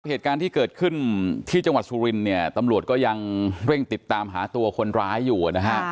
เหตุการณ์ที่เกิดขึ้นที่จังหวัดสุรินเนี่ยตำรวจก็ยังเร่งติดตามหาตัวคนร้ายอยู่นะฮะ